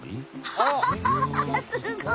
アハハハッすごい。